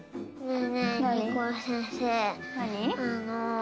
何？